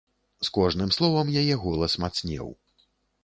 З кожным словам яе голас мацнеў.